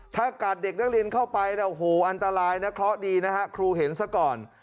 ถ้าการเด็กนักเรียนเข้าไปอันตรายนะเค้าดีนะครับครูเห็นซะก่อน